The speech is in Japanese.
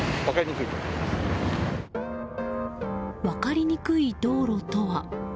分かりにくい道路とは？